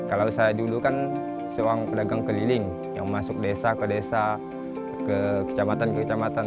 kalau saya dulu kan seorang pedagang keliling yang masuk desa ke desa ke kecamatan ke kecamatan